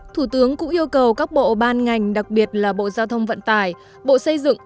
thủ tướng cũng yêu cầu các bộ ban ngành đặc biệt là bộ giao thông vận tải bộ xây dựng